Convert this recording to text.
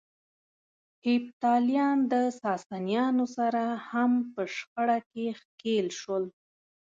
هېپتاليان د ساسانيانو سره هم په شخړه کې ښکېل شول.